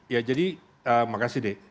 ya jadi makasih d